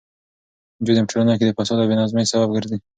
نجونې په ټولنه کې د فساد او بې نظمۍ سبب ګرځي.